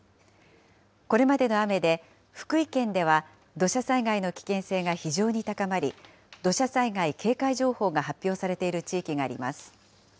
これまでの雨で、福井県では、土砂災害の危険性が非常に高まり、土砂災害警戒情報が発表されている地域があります。